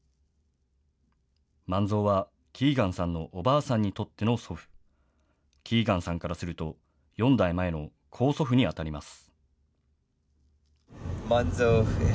萬蔵はキーガンさんのおばあさんにとっての祖父、キーガンさんからすると、４代前の高祖父に当たります。